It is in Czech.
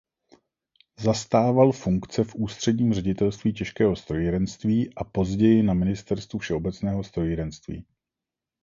Zastával funkce v Ústředním ředitelství těžkého strojírenství a později na ministerstvu všeobecného strojírenství.